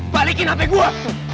balikin hp gue